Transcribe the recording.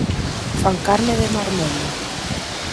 Fan carne de marmelo.